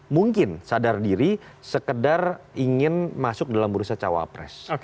mungkin sadar diri sekedar ingin masuk dalam bursa cawapres